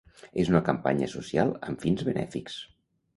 És una campanya social amb fins benèfics.